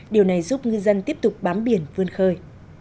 điều này giúp ngư dân tiếp tục bám biển vươn khơi